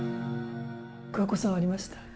桑子さん、ありました？